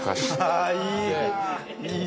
ああいい！